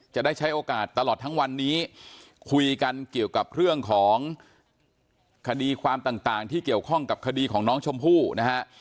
จะได้ใช้โอกาสตลอดทั้งวันนี้คุยกันเกี่ยวกับเรื่องของคดีความต่างที่เกี่ยวข้องกับคดีของน้องชมพู่นะฮะ